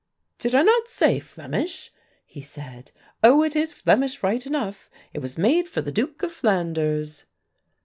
"Did I not say Flemish?" he said. "Oh, it is Flemish right enough; it was made for the Duke of Flanders."